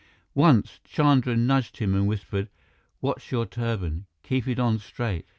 Once, Chandra nudged him and whispered, "Watch your turban! Keep it on straight!"